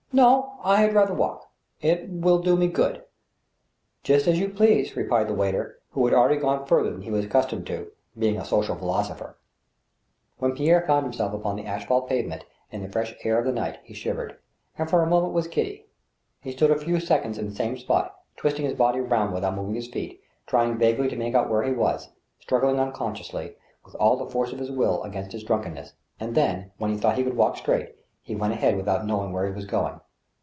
" No ; I had rather walk. It will do me good." "Just as you please," replied the waiter, who had already gone further than he was accustomed to do, being a sbcial philosopher. A MIDNIGHT SUPPER. 33 When Pierre found himself upon the asphalt pavement, in the fresh air of the night, he shivered, and for a moment was giddy. He stood a few seconds in the same spot, twisting his body round without moving his feet, trying vaguely to make out where he was, struggling unconsciously, with all the force of his will, against his drunkenness, and then, when he thought he could walk straight, he went ahead without knowing where he was going.